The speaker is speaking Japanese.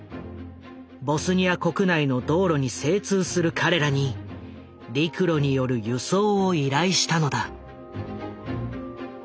ボスニア国内の道路に精通する彼らに陸路による輸送を依頼したのだ。